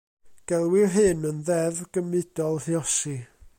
Gelwir hyn yn ddeddf gymudol lluosi.